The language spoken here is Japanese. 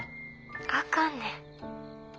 ☎あかんねん。